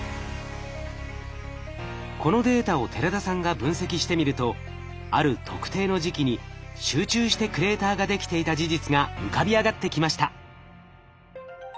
このデータを寺田さんが分析してみるとある特定の時期に集中してクレーターができていた事実が浮かび上がってきました。